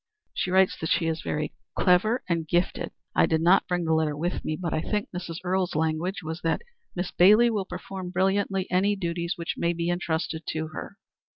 "She writes that she is very clever and gifted. I did not bring the letter with me, but I think Mrs. Earle's language was that Miss Bailey will perform brilliantly any duties which may be intrusted to her."